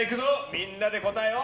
みんなで答えを。